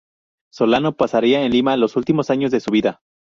Solano pasaría en Lima los últimos años de su vida.